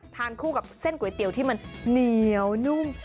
ทานคู่กับเส้นก๋วยเตี๋ยวที่มันเหนียวนุ่ม